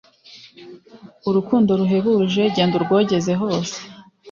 Urukundo ruhebuje, gend' urwogeze hose.